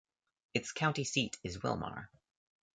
Its county seat is Willmar.